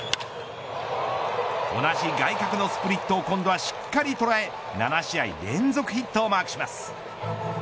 同じ外角のスプリットを今度はしっかり捉え７試合連続ヒットをマークします。